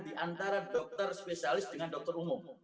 diantara dokter spesialis dengan dokter umum